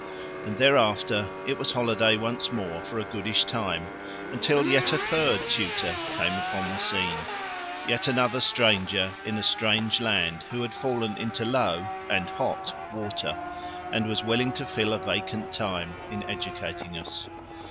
And thereafter it was holiday once more for a goodish time until yet a third tutor came upon the scene: yet another stranger in a strange land who had fallen into low (and hot) water and was willing to fill a vacant time in educating us.